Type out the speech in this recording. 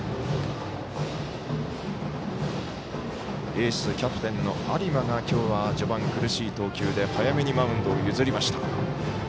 エースでキャプテンの有馬が今日は序盤、苦しい投球で早めにマウンドを譲りました。